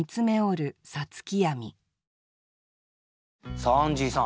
さあアンジーさん